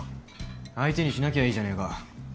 相手にしなきゃいいじゃねえか。